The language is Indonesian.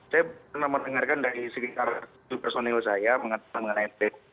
saya pernah mendengarkan dari sekitar personil saya mengenai